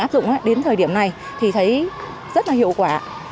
áp dụng đến thời điểm này thì thấy rất là hiệu quả